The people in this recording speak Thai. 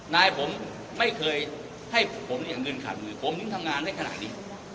นายผมไม่เคยให้ผมเนี่ยเงินขาดมือผมถึงทำงานได้ขนาดนี้